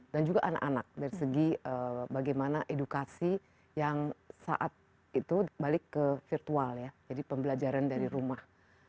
dan juga anak anak dari segi bagaimana edukasi yang saat itu balik ke virtual ya jadi pembelajaran dari rumah